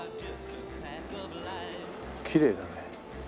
きれいだね。